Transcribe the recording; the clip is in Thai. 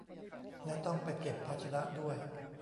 และต้องไปเก็บภาชนะด้วย